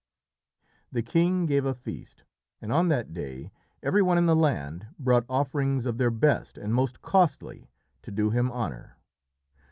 The king gave a feast, and on that day every one in the land brought offerings of their best and most costly to do him honour.